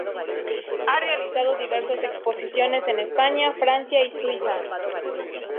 Ha realizado diversas exposiciones en España, Francia y Suiza.